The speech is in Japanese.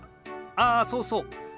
ああそうそう。